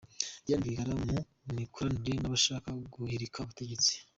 Diane Rwigara mu mikoranire n’abashaka guhirika ubutegetsi.